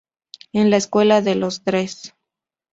En la escuela de los Dres.